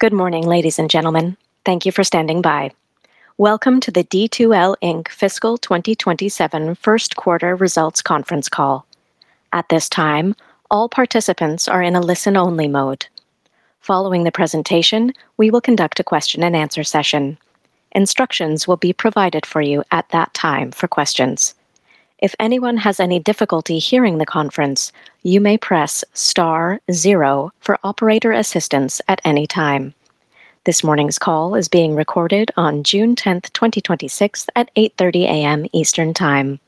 Good morning, ladies and gentlemen. Thank you for standing by. Welcome to the D2L Inc. Fiscal 2027 First Quarter Results Conference Call. At this time, all participants are in a listen-only mode. Following the presentation, we will conduct a question-and-answer session. Instructions will be provided for you at that time for questions. If anyone has any difficulty hearing the conference, you may press star zero for operator assistance at any time. This morning's call is being recorded on June 10, 2026, at 8:30 A.M. Eastern Time.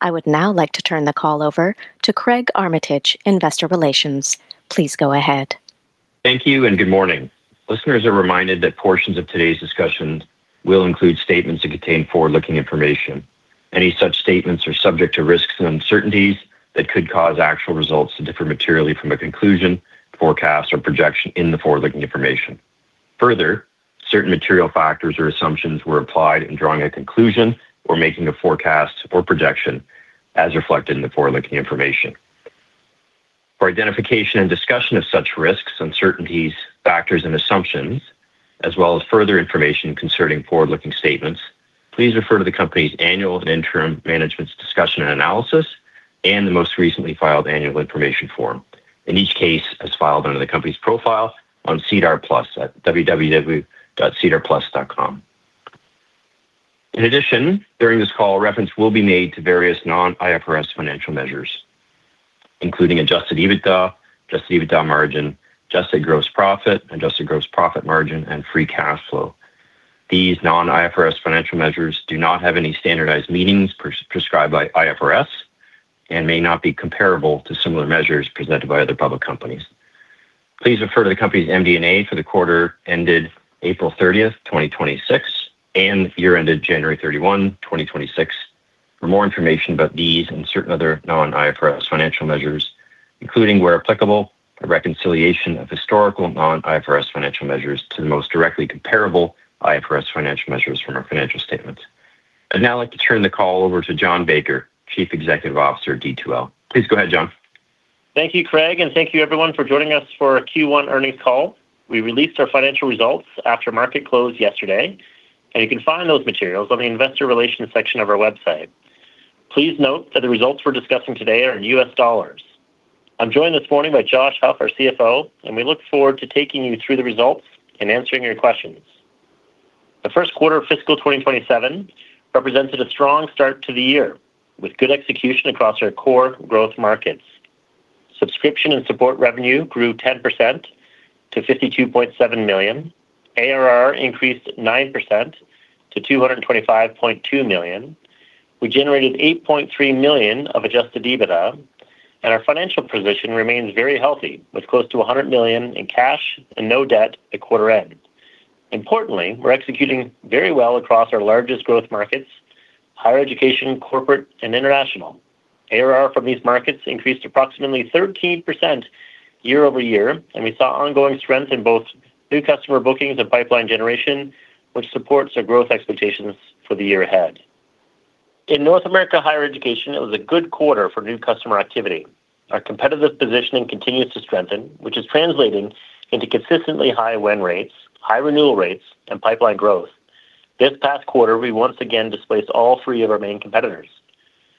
I would now like to turn the call over to Craig Armitage, Investor Relations. Please go ahead. Thank you. Good morning. Listeners are reminded that portions of today's discussion will include statements that contain forward-looking information. Any such statements are subject to risks and uncertainties that could cause actual results to differ materially from the conclusion, forecasts, or projection in the forward-looking information. Further, certain material factors or assumptions were applied in drawing a conclusion or making a forecast or projection as reflected in the forward-looking information. For identification and discussion of such risks, uncertainties, factors, and assumptions, as well as further information concerning forward-looking statements, please refer to the company's annual and interim management's discussion and analysis and the most recently filed annual information form. In each case, as filed under the company's profile on SEDAR+ at www.sedarplus.com. In addition, during this call, reference will be made to various non-IFRS financial measures, including Adjusted EBITDA, Adjusted EBITDA margin, Adjusted gross profit, Adjusted gross profit margin, and Free cash flow. These non-IFRS financial measures do not have any standardized meanings prescribed by IFRS and may not be comparable to similar measures presented by other public companies. Please refer to the company's MD&A for the quarter ended April 30th, 2026, and the year ended January 31, 2026, for more information about these and certain other non-IFRS financial measures, including, where applicable, a reconciliation of historical non-IFRS financial measures to the most directly comparable IFRS financial measures from our financial statements. I'd now like to turn the call over to John Baker, Chief Executive Officer of D2L. Please go ahead, John. Thank you, Craig, and thank you everyone for joining us for our Q1 earnings call. We released our financial results after market close yesterday. You can find those materials on the investor relations section of our website. Please note that the results we're discussing today are in U.S. dollars. I'm joined this morning by Josh Huff, our CFO. We look forward to taking you through the results and answering your questions. The first quarter of fiscal 2027 represented a strong start to the year with good execution across our core growth markets. Subscription and support revenue grew 10% to $52.7 million. ARR increased 9% to $225.2 million. We generated $8.3 million of Adjusted EBITDA. Our financial position remains very healthy with close to $100 million in cash and no debt at quarter end. Importantly, we're executing very well across our largest growth markets, higher education, corporate, and international. ARR from these markets increased approximately 13% year-over-year, and we saw ongoing strength in both new customer bookings and pipeline generation, which supports our growth expectations for the year ahead. In North America higher education, it was a good quarter for new customer activity. Our competitive positioning continues to strengthen, which is translating into consistently high win rates, high renewal rates, and pipeline growth. This past quarter, we once again displaced all three of our main competitors.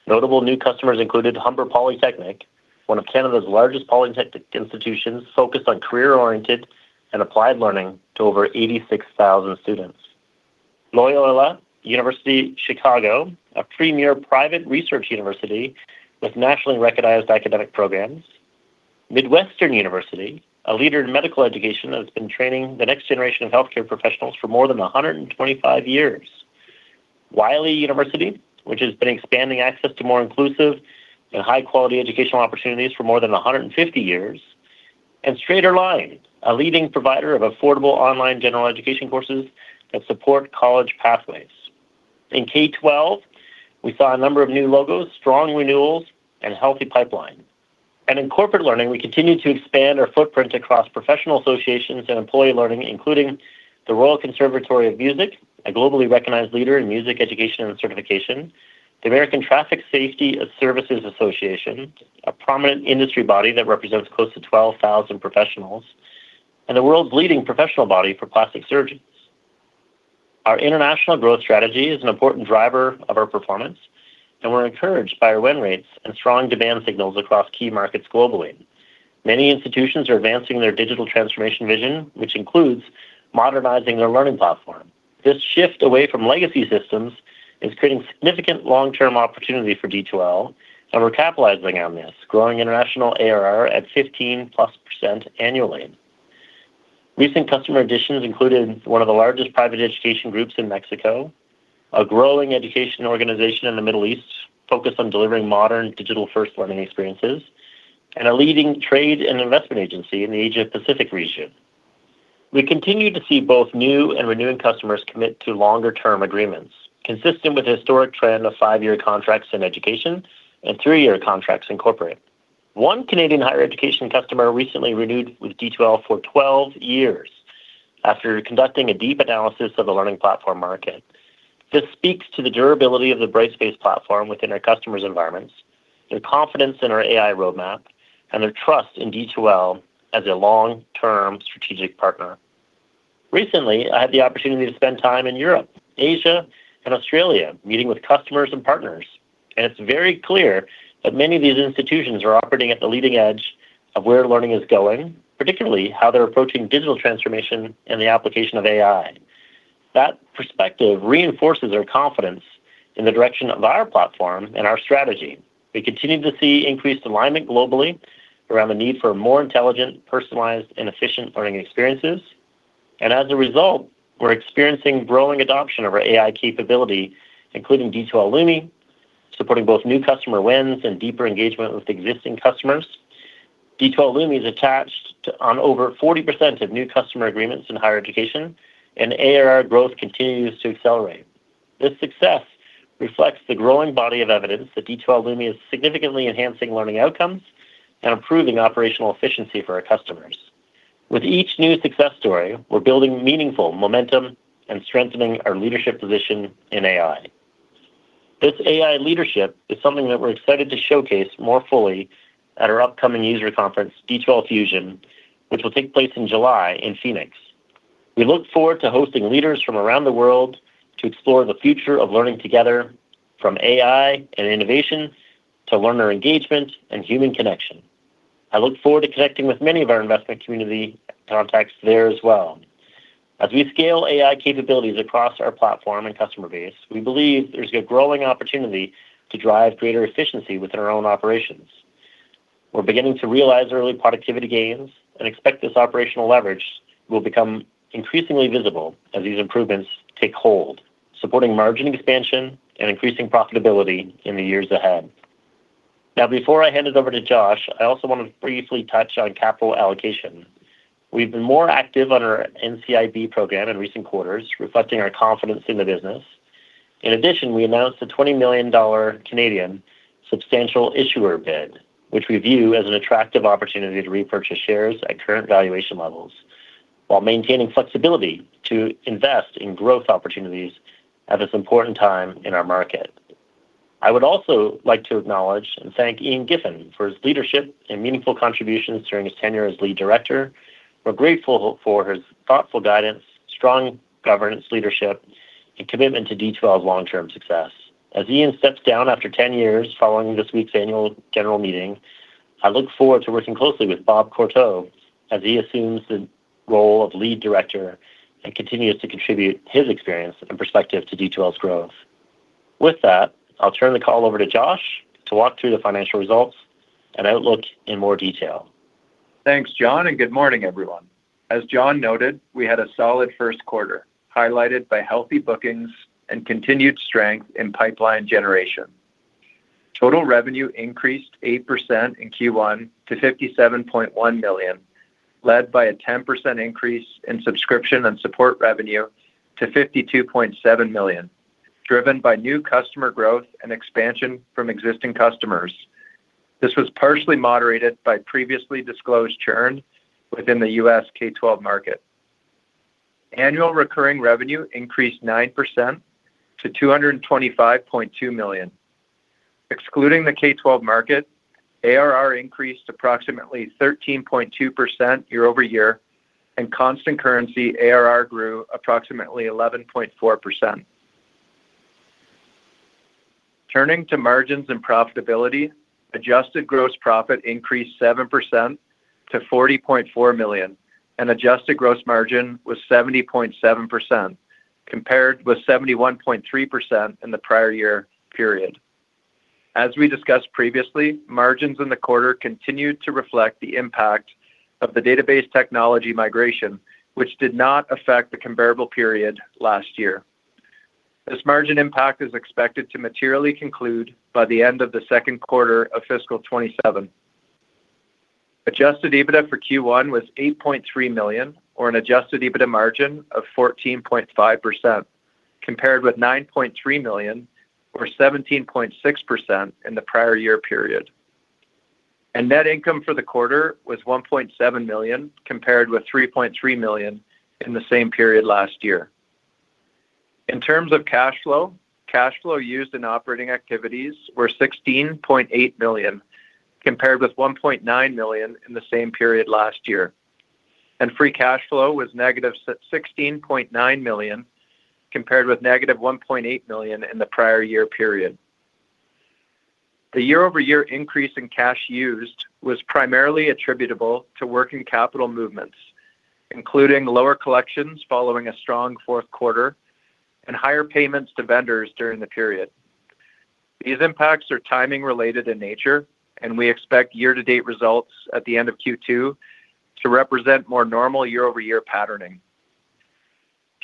Notable new customers included Humber Polytechnic, one of Canada's largest polytechnic institutions focused on career-oriented and applied learning to over 86,000 students. Loyola University Chicago, a premier private research university with nationally recognized academic programs. Midwestern University, a leader in medical education that has been training the next generation of healthcare professionals for more than 125 years. Wiley University, which has been expanding access to more inclusive and high-quality educational opportunities for more than 150 years. StraighterLine, a leading provider of affordable online general education courses that support college pathways. In K-12, we saw a number of new logos, strong renewals, and healthy pipeline. In corporate learning, we continued to expand our footprint across professional associations and employee learning, including The Royal Conservatory of Music, a globally recognized leader in music education and certification. The American Traffic Safety Services Association, a prominent industry body that represents close to 12,000 professionals. The world's leading professional body for plastic surgeons. Our international growth strategy is an important driver of our performance, and we're encouraged by our win rates and strong demand signals across key markets globally. Many institutions are advancing their digital transformation vision, which includes modernizing their learning platform. This shift away from legacy systems is creating significant long-term opportunity for D2L, and we're capitalizing on this, growing international ARR at 15+% annually. Recent customer additions included one of the largest private education groups in Mexico, a growing education organization in the Middle East focused on delivering modern digital-first learning experiences, and a leading trade and investment agency in the Asia-Pacific region. We continue to see both new and renewing customers commit to longer-term agreements, consistent with the historic trend of five-year contracts in education and three-year contracts in corporate. One Canadian higher education customer recently renewed with D2L for 12 years after conducting a deep analysis of the learning platform market. This speaks to the durability of the Brightspace platform within our customers' environments. Their confidence in our AI roadmap, and their trust in D2L as a long-term strategic partner. Recently, I had the opportunity to spend time in Europe, Asia, and Australia meeting with customers and partners. It's very clear that many of these institutions are operating at the leading edge of where learning is going, particularly how they're approaching digital transformation and the application of AI. That perspective reinforces our confidence in the direction of our platform and our strategy. We continue to see increased alignment globally around the need for more intelligent, personalized, and efficient learning experiences. As a result, we are experiencing growing adoption of our AI capability, including D2L Lumi, supporting both new customer wins and deeper engagement with existing customers. D2L Lumi is attached on over 40% of new customer agreements in higher education, and ARR growth continues to accelerate. This success reflects the growing body of evidence that D2L Lumi is significantly enhancing learning outcomes and improving operational efficiency for our customers. With each new success story, we are building meaningful momentum and strengthening our leadership position in AI. This AI leadership is something that we are excited to showcase more fully at our upcoming user conference, D2L Fusion, which will take place in July in Phoenix. We look forward to hosting leaders from around the world to explore the future of learning together from AI and innovation to learner engagement and human connection. I look forward to connecting with many of our investment community contacts there as well. As we scale AI capabilities across our platform and customer base, we believe there is a growing opportunity to drive greater efficiency within our own operations. We are beginning to realize early productivity gains and expect this operational leverage will become increasingly visible as these improvements take hold, supporting margin expansion and increasing profitability in the years ahead. Now, before I hand it over to Josh, I also want to briefly touch on capital allocation. We have been more active on our NCIB program in recent quarters, reflecting our confidence in the business. In addition, we announced a 20 million Canadian dollars substantial issuer bid, which we view as an attractive opportunity to repurchase shares at current valuation levels while maintaining flexibility to invest in growth opportunities at this important time in our market. I would also like to acknowledge and thank Ian Giffen for his leadership and meaningful contributions during his tenure as Lead Director. We are grateful for his thoughtful guidance, strong governance leadership, and commitment to D2L's long-term success. As Ian steps down after 10 years following this week's Annual General Meeting, I look forward to working closely with Bob Courteau as he assumes the role of Lead Director and continues to contribute his experience and perspective to D2L's growth. With that, I will turn the call over to Josh to walk through the financial results and outlook in more detail. Thanks, John, and good morning, everyone. As John noted, we had a solid first quarter, highlighted by healthy bookings and continued strength in pipeline generation. Total revenue increased 8% in Q1 to $57.1 million, led by a 10% increase in subscription and support revenue to $52.7 million, driven by new customer growth and expansion from existing customers. This was partially moderated by previously disclosed churn within the U.S. K-12 market. Annual recurring revenue increased 9% to $225.2 million. Excluding the K-12 market, ARR increased approximately 13.2% year-over-year, and constant currency ARR grew approximately 11.4%. Turning to margins and profitability, adjusted gross profit increased 7% to $40.4 million, and adjusted gross margin was 70.7%, compared with 71.3% in the prior year period. As we discussed previously, margins in the quarter continued to reflect the impact of the database technology migration, which did not affect the comparable period last year. This margin impact is expected to materially conclude by the end of the second quarter of fiscal 2027. Adjusted EBITDA for Q1 was $8.3 million, or an adjusted EBITDA margin of 14.5%, compared with $9.3 million or 17.6% in the prior year period. Net income for the quarter was $1.7 million, compared with $3.3 million in the same period last year. In terms of cash flow, cash flow used in operating activities were $16.8 million, compared with $1.9 million in the same period last year. Free cash flow was $-16.9 million, compared with $-1.8 million in the prior year period. The year-over-year increase in cash used was primarily attributable to working capital movements, including lower collections following a strong fourth quarter and higher payments to vendors during the period. These impacts are timing related in nature. We expect year-to-date results at the end of Q2 to represent more normal year-over-year patterning.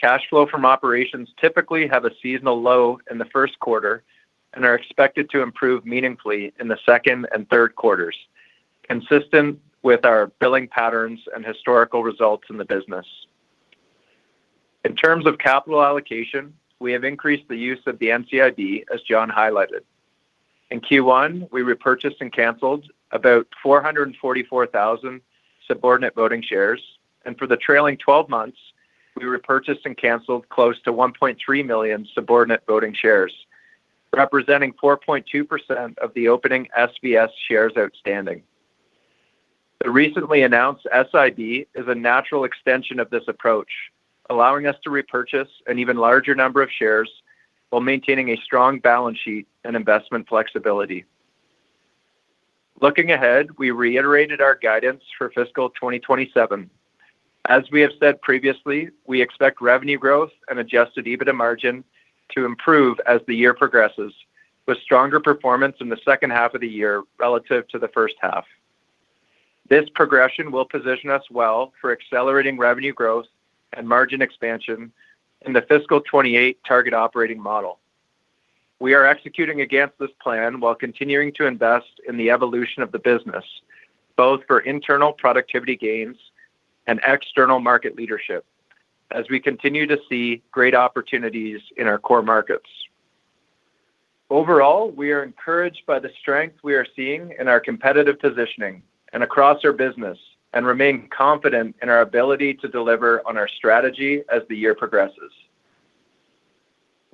Cash flow from operations typically have a seasonal low in the first quarter and are expected to improve meaningfully in the second and third quarters, consistent with our billing patterns and historical results in the business. In terms of capital allocation, we have increased the use of the NCIB, as John highlighted. In Q1, we repurchased and canceled about 444,000 subordinate voting shares. For the trailing 12 months, we repurchased and canceled close to 1.3 million subordinate voting shares, representing 4.2% of the opening SVS shares outstanding. The recently announced SIB is a natural extension of this approach, allowing us to repurchase an even larger number of shares while maintaining a strong balance sheet and investment flexibility. Looking ahead, we reiterated our guidance for fiscal 2027. As we have said previously, we expect revenue growth and adjusted EBITDA margin to improve as the year progresses, with stronger performance in the second half of the year relative to the first half. This progression will position us well for accelerating revenue growth and margin expansion in the fiscal 2028 target operating model. We are executing against this plan while continuing to invest in the evolution of the business, both for internal productivity gains and external market leadership as we continue to see great opportunities in our core markets. Overall, we are encouraged by the strength we are seeing in our competitive positioning and across our business. We remain confident in our ability to deliver on our strategy as the year progresses.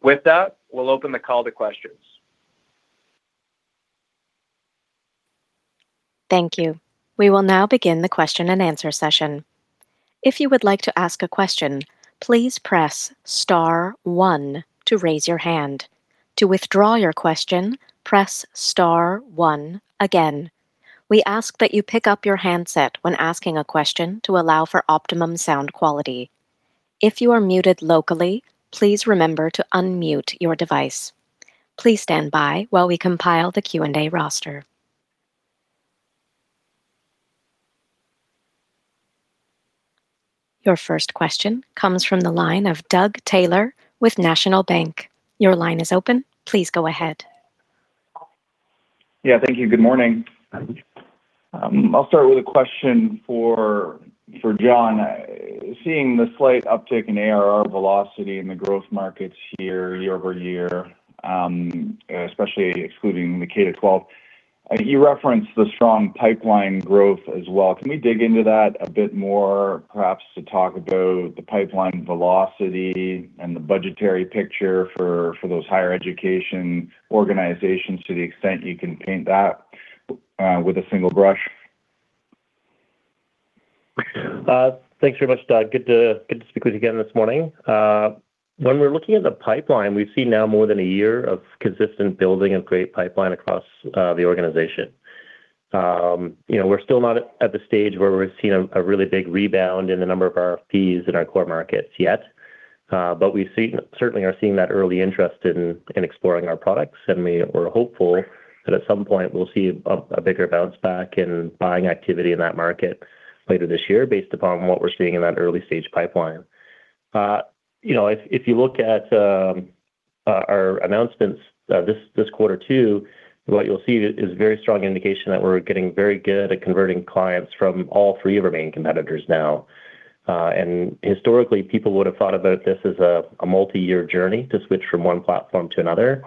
With that, we'll open the call to questions. Thank you. We will now begin the question and answer session. If you would like to ask a question, please press star one to raise your hand. To withdraw your question, press star one again. We ask that you pick up your handset when asking a question to allow for optimum sound quality. If you are muted locally, please remember to unmute your device. Please stand by while we compile the Q&A roster. Your first question comes from the line of Doug Taylor with National Bank. Your line is open. Please go ahead. Yeah, thank you. Good morning. I'll start with a question for John. Seeing the slight uptick in ARR velocity in the growth markets year-over-year, especially excluding the K-12, you referenced the strong pipeline growth as well. Can we dig into that a bit more, perhaps to talk about the pipeline velocity and the budgetary picture for those higher education organizations to the extent you can paint that with a single brush? Thanks very much, Doug. Good to speak with you again this morning. When we're looking at the pipeline, we've seen now more than a year of consistent building of great pipeline across the organization. We're still not at the stage where we're seeing a really big rebound in the number of RFPs in our core markets yet. We certainly are seeing that early interest in exploring our products, and we're hopeful that at some point we'll see a bigger bounce back in buying activity in that market later this year based upon what we're seeing in that early-stage pipeline. If you look at our announcements this quarter too, what you'll see is very strong indication that we're getting very good at converting clients from all three of our main competitors now. Historically, people would have thought about this as a multi-year journey to switch from one platform to another.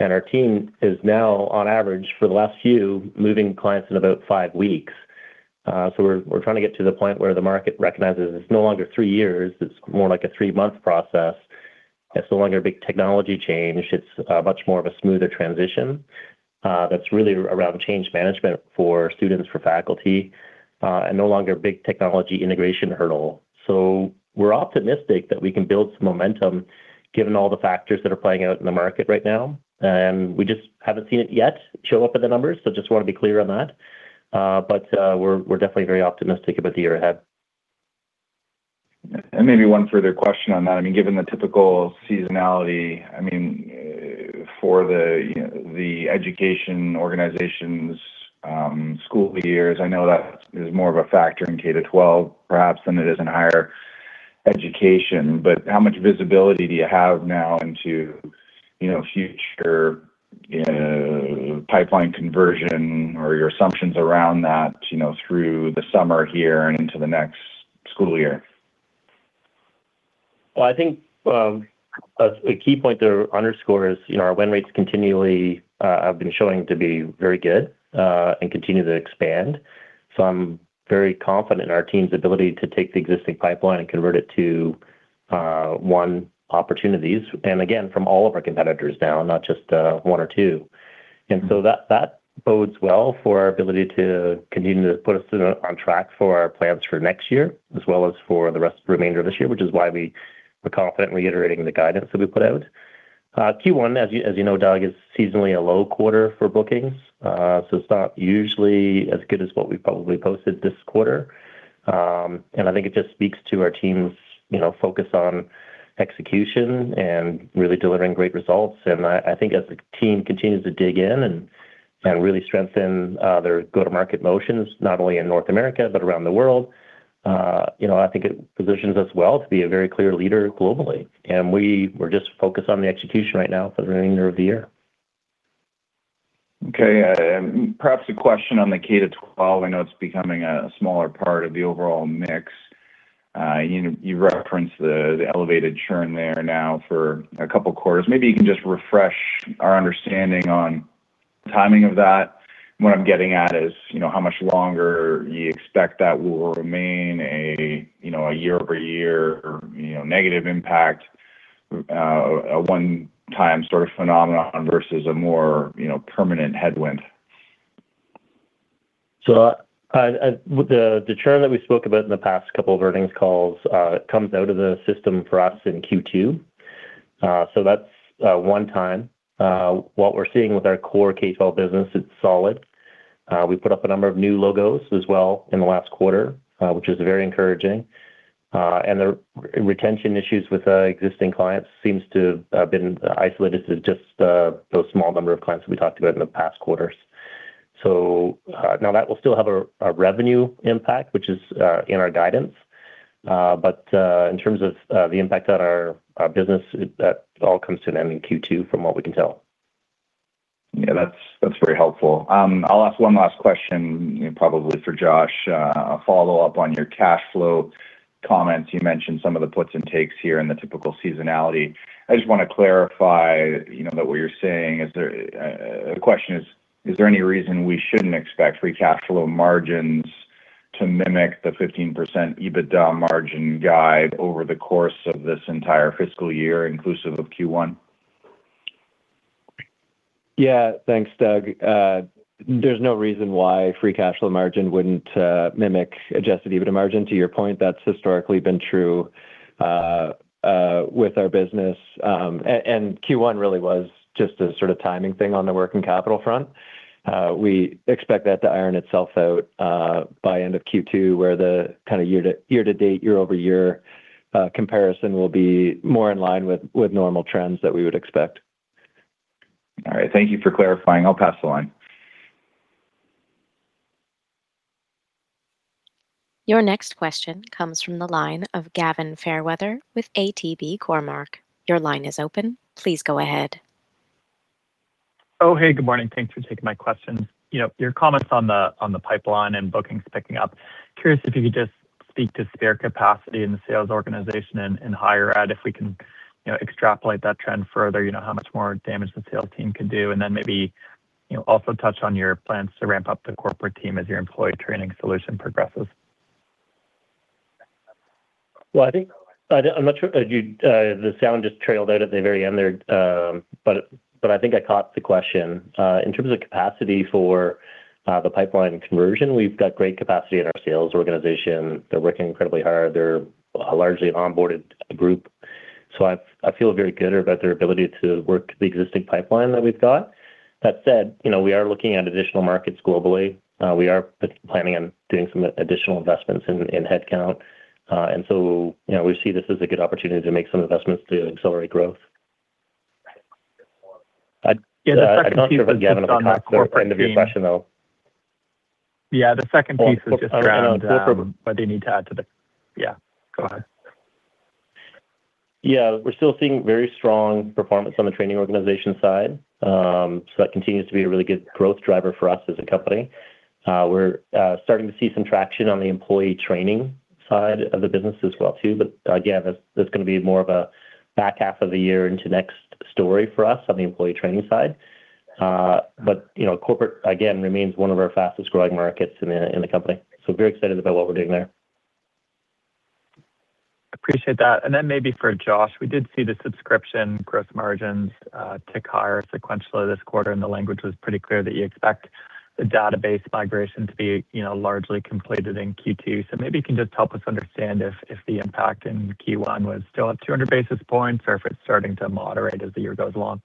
Our team is now, on average, for the last few, moving clients in about five weeks. We're trying to get to the point where the market recognizes it's no longer three years, it's more like a three-month process. It's no longer a big technology change. It's much more of a smoother transition that's really around change management for students, for faculty, and no longer a big technology integration hurdle. We're optimistic that we can build some momentum given all the factors that are playing out in the market right now. We just haven't seen it yet show up in the numbers, so just want to be clear on that. We're definitely very optimistic about the year ahead. Maybe one further question on that. Given the typical seasonality for the education organizations' school years, I know that is more of a factor in K-12 perhaps than it is in higher education. How much visibility do you have now into future pipeline conversion or your assumptions around that through the summer here and into the next school year? Well, I think a key point to underscore is our win rates continually have been showing to be very good and continue to expand. I'm very confident in our team's ability to take the existing pipeline and convert it to won opportunities. Again, from all of our competitors now, not just one or two. That bodes well for our ability to continue to put us on track for our plans for next year as well as for the remainder of this year, which is why we're confident reiterating the guidance that we put out. Q1, as you know, Doug, is seasonally a low quarter for bookings. It's not usually as good as what we probably posted this quarter. I think it just speaks to our team's focus on execution and really delivering great results. I think as the team continues to dig in and really strengthen their go-to-market motions, not only in North America but around the world, I think it positions us well to be a very clear leader globally. We're just focused on the execution right now for the remainder of the year. Okay. Perhaps a question on the K-12. I know it's becoming a smaller part of the overall mix. You referenced the elevated churn there now for a couple of quarters. Maybe you can just refresh our understanding on the timing of that. What I'm getting at is, how much longer you expect that will remain a year-over-year negative impact? A one-time sort of phenomenon versus a more permanent headwind? With the churn that we spoke about in the past couple of earnings calls, it comes out of the system for us in Q2. That's one time. What we're seeing with our core K-12 business, it's solid. We put up a number of new logos as well in the last quarter, which is very encouraging. The retention issues with existing clients seems to have been isolated to just those small number of clients that we talked about in the past quarters. Now that will still have a revenue impact, which is in our guidance. In terms of the impact on our business, that all comes to an end in Q2 from what we can tell. That's very helpful. I'll ask one last question, probably for Josh, a follow-up on your cash flow comments. You mentioned some of the puts and takes here and the typical seasonality. I just want to clarify that what you're saying. The question is: Is there any reason we shouldn't expect free cash flow margins to mimic the 15% EBITDA margin guide over the course of this entire fiscal year, inclusive of Q1? Thanks, Doug. There's no reason why free cash flow margin wouldn't mimic adjusted EBITDA margin. To your point, that's historically been true with our business. Q1 really was just a sort of timing thing on the working capital front. We expect that to iron itself out by end of Q2, where the year-to-date, year-over-year comparison will be more in line with normal trends that we would expect. All right. Thank you for clarifying. I'll pass the line. Your next question comes from the line of Gavin Fairweather with ATB Cormark. Your line is open. Please go ahead. Oh, hey. Good morning. Thanks for taking my questions. Your comments on the pipeline and bookings picking up. Curious if you could just speak to spare capacity in the sales organization and hire at, if we can extrapolate that trend further, how much more damage the sales team can do? Maybe, also touch on your plans to ramp up the corporate team as your employee training solution progresses? Well, I'm not sure. The sound just trailed out at the very end there. I think I caught the question. In terms of capacity for the pipeline conversion, we've got great capacity in our sales organization. They're working incredibly hard. They're a largely onboarded group. I feel very good about their ability to work the existing pipeline that we've got. That said, we are looking at additional markets globally. We are planning on doing some additional investments in headcount. We see this as a good opportunity to make some investments to accelerate growth. Yeah, the second piece- I'm not sure if, Gavin, if I caught the end of your question, though. Yeah, the second piece is just around. Oh, no. No problem. What you need to add to. Yeah, go ahead. Yeah. We're still seeing very strong performance on the training organization side. That continues to be a really good growth driver for us as a company. We're starting to see some traction on the employee training side of the business as well, too. Again, that's going to be more of a back half of the year into next story for us on the employee training side. Corporate, again, remains one of our fastest-growing markets in the company. Very excited about what we're doing there. Appreciate that. Maybe for Josh, we did see the subscription gross margins tick higher sequentially this quarter. The language was pretty clear that you expect the database migration to be largely completed in Q2. Maybe you can just help us understand if the impact in Q1 was still at 200 basis points or if it's starting to moderate as the year goes along?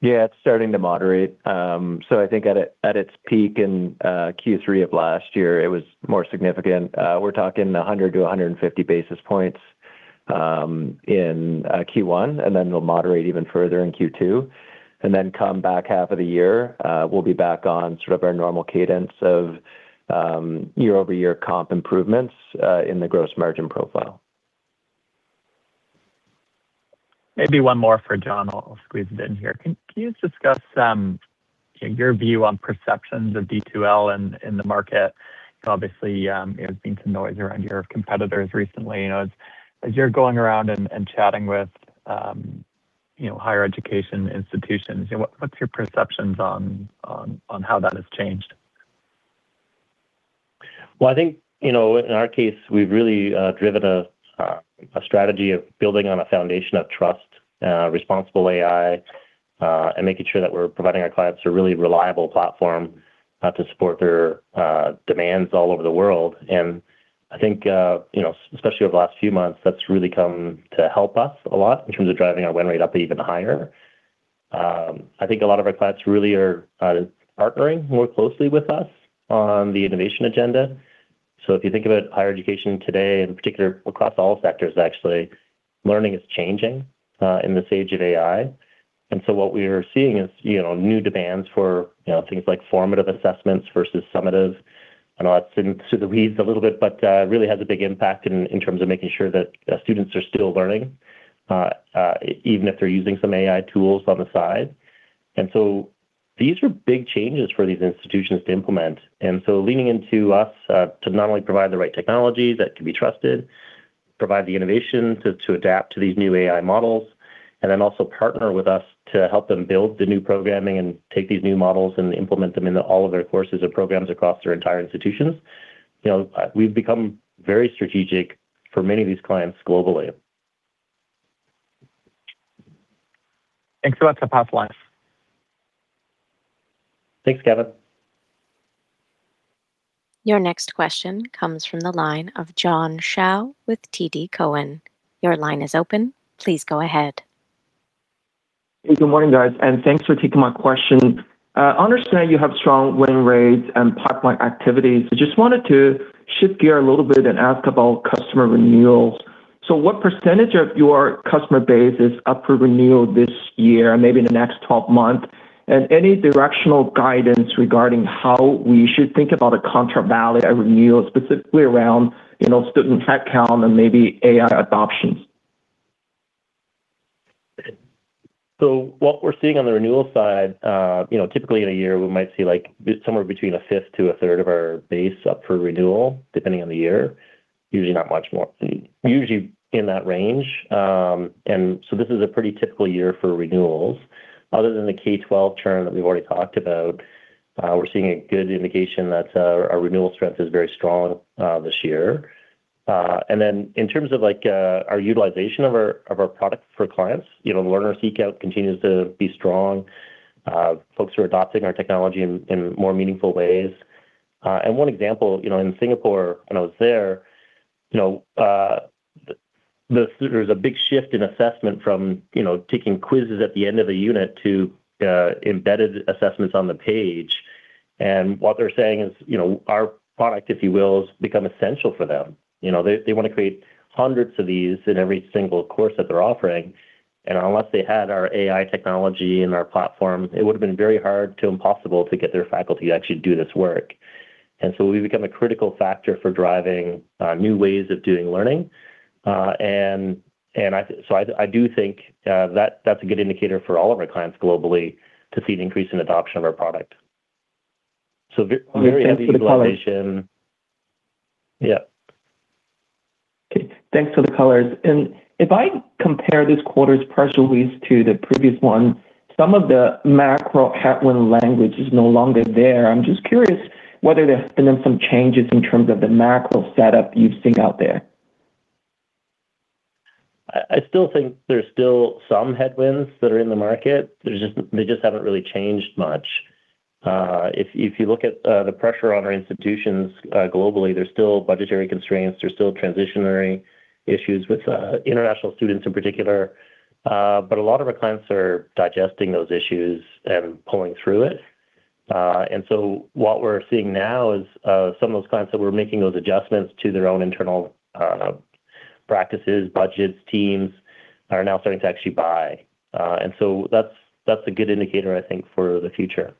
Yeah, it's starting to moderate. I think at its peak in Q3 of last year, it was more significant. We're talking 100 basis points-150 basis points in Q1. Then it'll moderate even further in Q2. Then come back half of the year, we'll be back on sort of our normal cadence of year-over-year comp improvements in the gross margin profile. Maybe one more for John. I'll squeeze it in here. Can you just discuss your view on perceptions of D2L in the market? Obviously, there's been some noise around your competitors recently. As you're going around and chatting with higher education institutions, what's your perceptions on how that has changed? Well, I think, in our case, we've really driven a strategy of building on a foundation of trust, responsible AI, and making sure that we're providing our clients a really reliable platform to support their demands all over the world. I think, especially over the last few months, that's really come to help us a lot in terms of driving our win rate up even higher. I think a lot of our clients really are partnering more closely with us on the innovation agenda. If you think about higher education today, in particular across all sectors, actually, learning is changing in this age of AI. What we're seeing is new demands for things like formative assessments versus summative. I know that's into the weeds a little bit, but really has a big impact in terms of making sure that students are still learning even if they're using some AI tools on the side. These are big changes for these institutions to implement. Leaning into us to not only provide the right technology that can be trusted, provide the innovation to adapt to these new AI models, and then also partner with us to help them build the new programming and take these new models and implement them into all of their courses or programs across their entire institutions. We've become very strategic for many of these clients globally. Thanks so much. I'll pass the line. Thanks, Gavin. Your next question comes from the line of John Shao with TD Cowen. Your line is open. Please go ahead. Hey, good morning, guys, and thanks for taking my question. I understand you have strong win rates and pipeline activities. I just wanted to shift gear a little bit and ask about customer renewals. What percentage of your customer base is up for renewal this year, maybe in the next 12 months? Any directional guidance regarding how we should think about a contract valid at renewal, specifically around student headcount and maybe AI adoptions? What we're seeing on the renewal side, typically in a year, we might see somewhere between a fifth to a third of our base up for renewal, depending on the year. Usually not much more. Usually in that range. This is a pretty typical year for renewals. Other than the K-12 churn that we've already talked about, we're seeing a good indication that our renewal strength is very strong this year. In terms of our utilization of our product for clients, learner seat count continues to be strong. Folks who are adopting our technology in more meaningful ways. One example, in Singapore when I was there's a big shift in assessment from taking quizzes at the end of a unit to embedded assessments on the page. What they're saying is our product, if you will, has become essential for them. They want to create hundreds of these in every single course that they're offering. Unless they had our AI technology and our platform, it would've been very hard to impossible to get their faculty to actually do this work. We've become a critical factor for driving new ways of doing learning. I do think that's a good indicator for all of our clients globally to see an increase in adoption of our product. Very heavy utilization- Thanks for the color. Yeah. Okay. Thanks for the colors. If I compare this quarter's press release to the previous one, some of the macro headwind language is no longer there. I'm just curious whether there's been some changes in terms of the macro setup you've seen out there. I still think there's still some headwinds that are in the market. They just haven't really changed much. If you look at the pressure on our institutions globally, there's still budgetary constraints. There's still transitionary issues with international students in particular. A lot of our clients are digesting those issues and pulling through it. What we're seeing now is some of those clients that we're making those adjustments to their own internal practices, budgets, teams are now starting to actually buy. That's a good indicator, I think, for the future.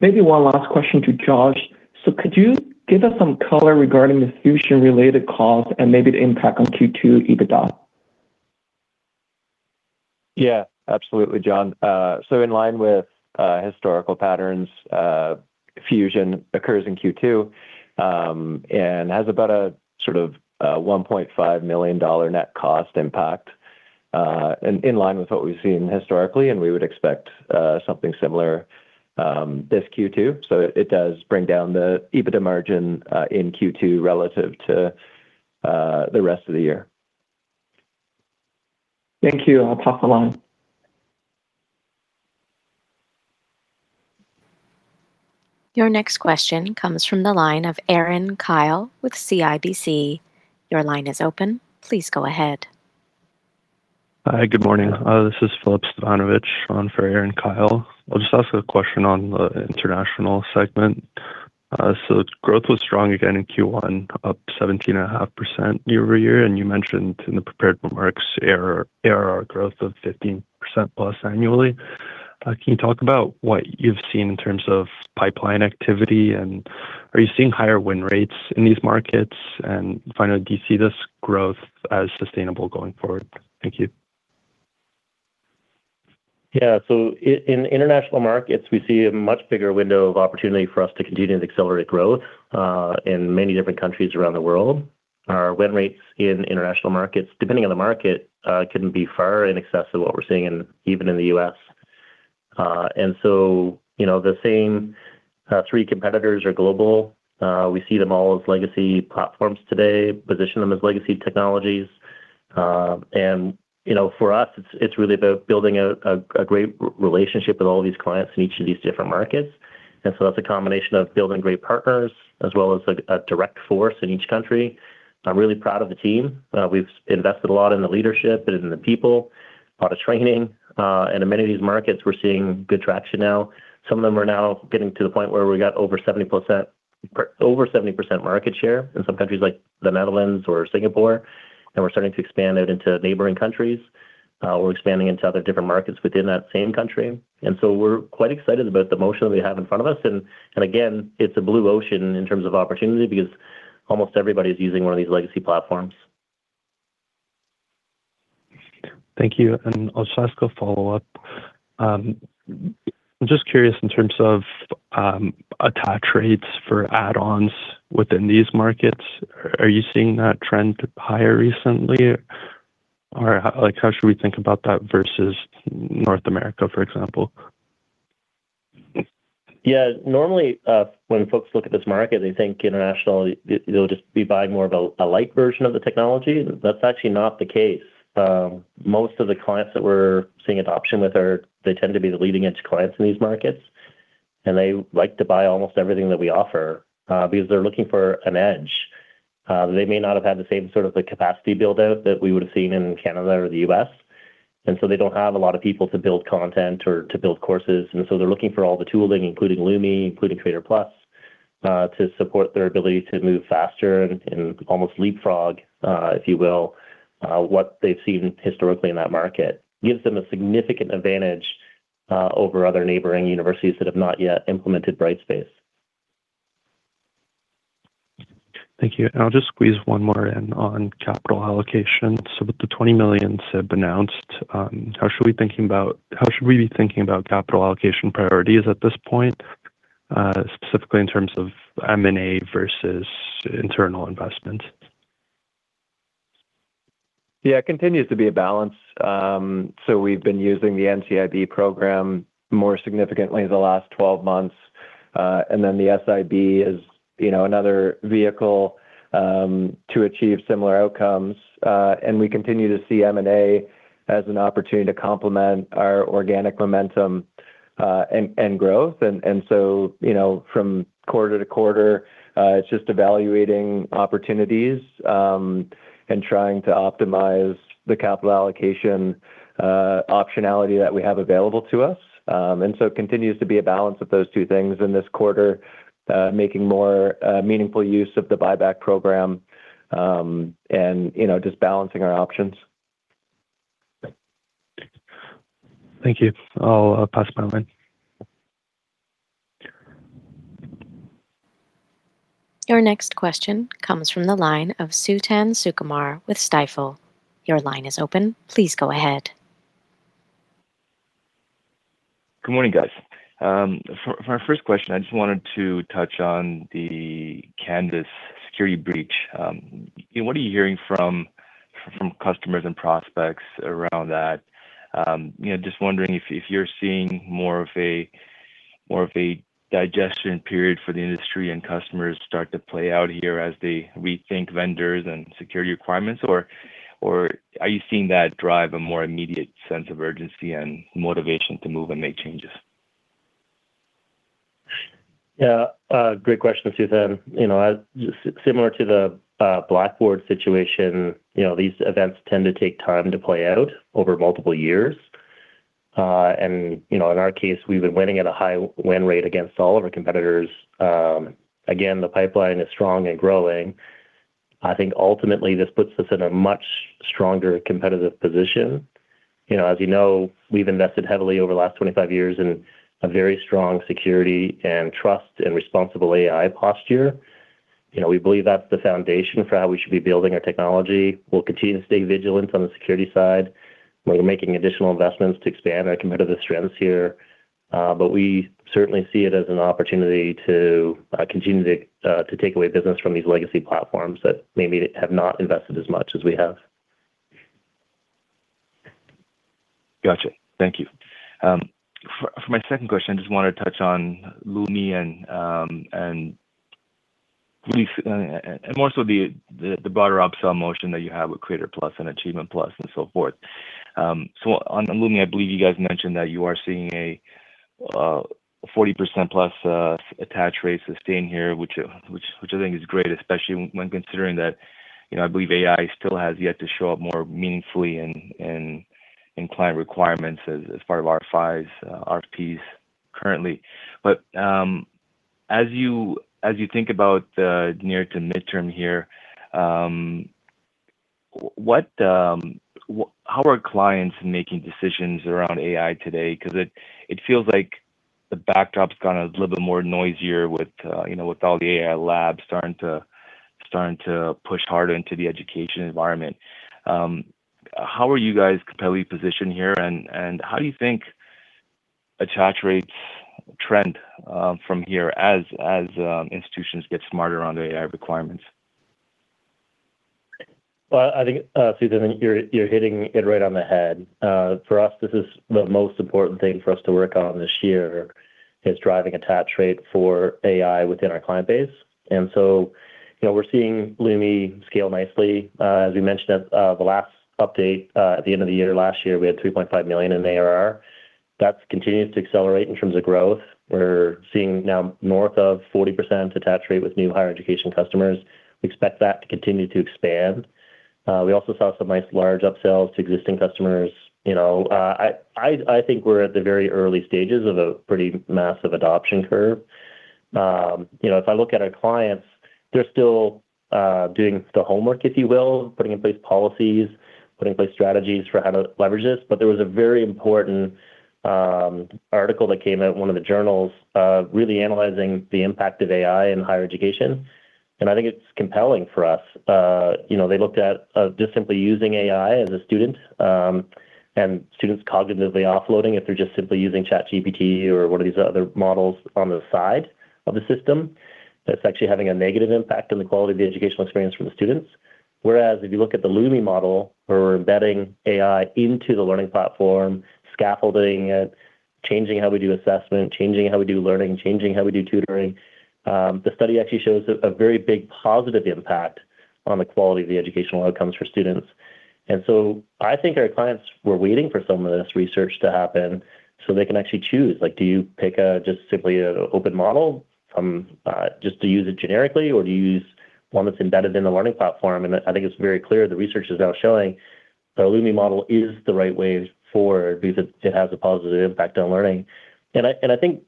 Maybe one last question to Josh. Could you give us some color regarding the Fusion-related cost and maybe the impact on Q2 EBITDA? Absolutely, John. In line with historical patterns, Fusion occurs in Q2 and has about a $1.5 million net cost impact in line with what we've seen historically, and we would expect something similar this Q2. It does bring down the EBITDA margin in Q2 relative to the rest of the year. Thank you. I'll pass along. Your next question comes from the line of Erin Kyle with CIBC. Your line is open. Please go ahead. Hi. Good morning. This is Filip Stevanovic on for Erin Kyle. I'll just ask a question on the international segment. Growth was strong again in Q1, up 17.5% year-over-year, and you mentioned in the prepared remarks ARR growth of 15+% annually. Can you talk about what you've seen in terms of pipeline activity, and are you seeing higher win rates in these markets? Finally, do you see this growth as sustainable going forward? Thank you. Yeah. In international markets, we see a much bigger window of opportunity for us to continue to accelerate growth in many different countries around the world. Our win rates in international markets, depending on the market, can be far in excess of what we're seeing even in the U.S. The same three competitors are global. We see them all as legacy platforms today, position them as legacy technologies. For us, it's really about building a great relationship with all of these clients in each of these different markets. That's a combination of building great partners as well as a direct force in each country. I'm really proud of the team. We've invested a lot in the leadership and in the people, a lot of training. In many of these markets, we're seeing good traction now. Some of them are now getting to the point where we've got over 70% market share in some countries like the Netherlands or Singapore. We're starting to expand it into neighboring countries. We're expanding into other different markets within that same country. We're quite excited about the motion that we have in front of us. Again, it's a blue ocean in terms of opportunity because almost everybody's using one of these legacy platforms. Thank you. I'll just ask a follow-up. I'm just curious in terms of attach rates for add-ons within these markets, are you seeing that trend higher recently? Or how should we think about that versus North America, for example? Yeah. Normally, when folks look at this market, they think international, they'll just be buying more of a light version of the technology. That's actually not the case. Most of the clients that we're seeing adoption with are, they tend to be the leading-edge clients in these markets, and they like to buy almost everything that we offer because they're looking for an edge. They may not have had the same sort of the capacity build-out that we would've seen in Canada or the U.S., they don't have a lot of people to build content or to build courses. They're looking for all the tooling, including Lumi, including Creator+ to support their ability to move faster and almost leapfrog, if you will, what they've seen historically in that market. Gives them a significant advantage over other neighboring universities that have not yet implemented Brightspace. Thank you. I'll just squeeze one more in on capital allocation. With the 20 million announced, how should we be thinking about capital allocation priorities at this point, specifically in terms of M&A versus internal investment? Yeah, it continues to be a balance. We've been using the NCIB program more significantly the last 12 months. The SIB is another vehicle to achieve similar outcomes. We continue to see M&A as an opportunity to complement our organic momentum and growth. From quarter-to-quarter, it's just evaluating opportunities and trying to optimize the capital allocation optionality that we have available to us. It continues to be a balance of those two things in this quarter, making more meaningful use of the buyback program, and just balancing our options. Thank you. I'll pass the line. Your next question comes from the line of Suthan Sukumar with Stifel. Your line is open. Please go ahead. Good morning, guys. For my first question, I just wanted to touch on the Canvas security breach. What are you hearing from customers and prospects around that? Just wondering if you're seeing more of a digestion period for the industry and customers start to play out here as they rethink vendors and security requirements or are you seeing that drive a more immediate sense of urgency and motivation to move and make changes? Yeah. Great question, Suthan. Similar to the Blackboard situation, these events tend to take time to play out over multiple years. In our case, we've been winning at a high win rate against all of our competitors. Again, the pipeline is strong and growing. I think ultimately this puts us in a much stronger competitive position. As you know, we've invested heavily over the last 25 years in a very strong security and trust and responsible AI posture. We believe that's the foundation for how we should be building our technology. We'll continue to stay vigilant on the security side. We're making additional investments to expand our competitive strengths here. We certainly see it as an opportunity to continue to take away business from these legacy platforms that maybe have not invested as much as we have. Gotcha. Thank you. For my second question, I just want to touch on Lumi and more so the broader upsell motion that you have with Creator+ and Achievement+ and so forth. On Lumi, I believe you guys mentioned that you are seeing a 40+% attach rate sustain here, which I think is great, especially when considering that I believe AI still has yet to show up more meaningfully in client requirements as part of RFIs, RFPs currently. As you think about the near to midterm here, how are clients making decisions around AI today? Because it feels like the backdrop's gone a little bit more noisier with all the AI labs starting to push harder into the education environment. How are you guys competitively positioned here, and how do you think attach rates trend from here as institutions get smarter on the AI requirements? Well, I think, Suthan, you're hitting it right on the head. For us, this is the most important thing for us to work on this year, is driving attach rate for AI within our client base. We're seeing Lumi scale nicely. As we mentioned at the last update, at the end of the year last year, we had $3.5 million in ARR. That continues to accelerate in terms of growth. We're seeing now north of 40% attach rate with new higher education customers. We expect that to continue to expand. We also saw some nice large upsells to existing customers. I think we're at the very early stages of a pretty massive adoption curve. If I look at our clients, they're still doing the homework, if you will, putting in place policies, putting in place strategies for how to leverage this. There was a very important article that came out in one of the journals, really analyzing the impact of AI in higher education, and I think it's compelling for us. They looked at just simply using AI as a student, and students cognitively offloading if they're just simply using ChatGPT or one of these other models on the side of the system, that it's actually having a negative impact on the quality of the educational experience for the students. Whereas if you look at the Lumi model, where we're embedding AI into the learning platform, scaffolding it, changing how we do assessment, changing how we do learning, changing how we do tutoring, the study actually shows a very big positive impact on the quality of the educational outcomes for students. I think our clients were waiting for some of this research to happen so they can actually choose. Do you pick just simply an open model just to use it generically, or do you use one that's embedded in the learning platform? I think it's very clear, the research is now showing the Lumi model is the right way forward because it has a positive impact on learning. I think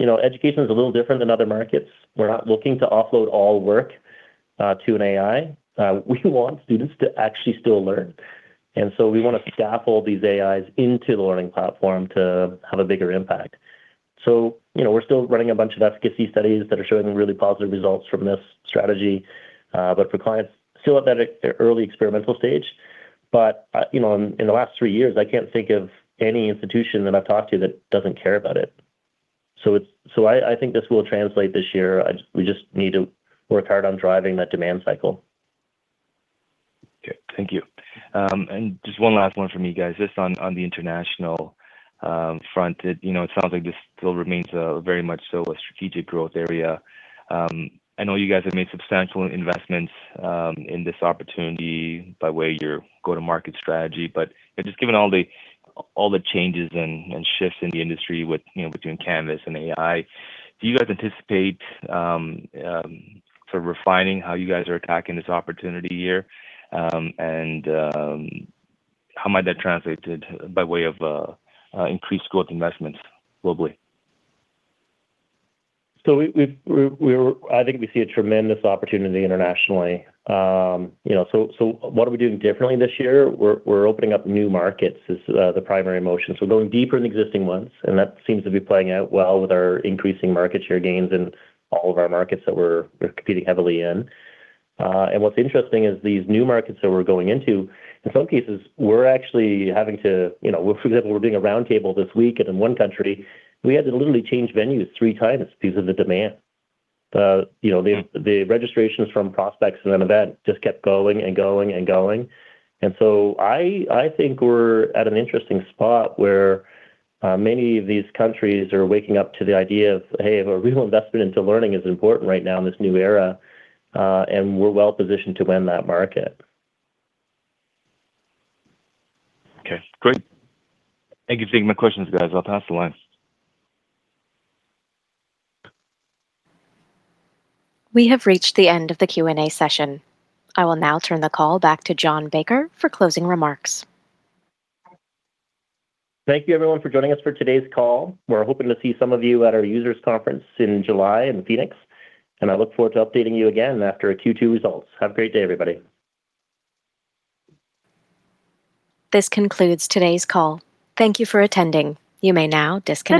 education is a little different than other markets. We're not looking to offload all work to an AI. We want students to actually still learn. We want to scaffold these AIs into the learning platform to have a bigger impact. We're still running a bunch of efficacy studies that are showing really positive results from this strategy. For clients still at that early experimental stage. In the last three years, I can't think of any institution that I've talked to that doesn't care about it. I think this will translate this year. We just need to work hard on driving that demand cycle. Okay. Thank you. Just one last one from me, guys. Just on the international front. It sounds like this still remains very much so a strategic growth area. I know you guys have made substantial investments in this opportunity by way of your go-to-market strategy. Just given all the changes and shifts in the industry between Canvas and AI. Do you guys anticipate sort of refining how you guys are attacking this opportunity here? How might that translate by way of increased growth investments globally? I think we see a tremendous opportunity internationally. What are we doing differently this year? We're opening up new markets, is the primary motion. Going deeper in existing ones, and that seems to be playing out well with our increasing market share gains in all of our markets that we're competing heavily in. What's interesting is these new markets that we're going into, in some cases, we're actually having to, for example, we're doing a round table this week, and in one country, we had to literally change venues three times because of the demand. The registrations from prospects in that event just kept going and going and going. I think we're at an interesting spot where many of these countries are waking up to the idea of, hey, a real investment into learning is important right now in this new era, and we're well positioned to win that market. Okay, great. Thank you. Those are my questions, guys. I'll pass the line. We have reached the end of the Q&A session. I will now turn the call back to John Baker for closing remarks. Thank you everyone for joining us for today's call. We are hoping to see some of you at our users' conference in July in Phoenix, and I look forward to updating you again after our Q2 results. Have a great day, everybody. This concludes today's call. Thank you for attending. You may now disconnect.